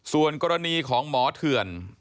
ส่วนกรณีของหมอเถื่อน